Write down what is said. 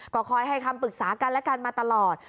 ก็คอยให้คำปรึกษากันและกันมาตลอด